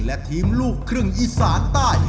และทีมลูกครึ่งอีสานใต้